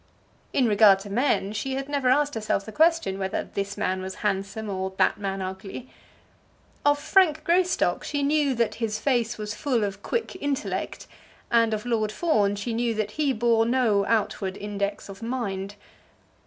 In regard to men she had never asked herself the question whether this man was handsome or that man ugly. Of Frank Greystock she knew that his face was full of quick intellect; and of Lord Fawn she knew that he bore no outward index of mind.